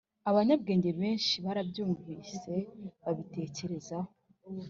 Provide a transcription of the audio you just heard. abanyabwenge benshi barabyumvise, babitekerezaho,